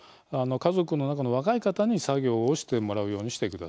家族の中の若い方に作業をしてもらうようにしてください。